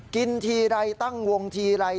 กินทีไรตั้งวงทีไร